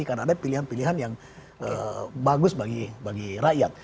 karena ada pilihan pilihan yang bagus bagi rakyat